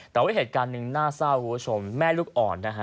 แต่เอาไว้เหตุการณ์หนึ่งหน้าเศร้าคุณผู้ชมแม่ลูกอ่อน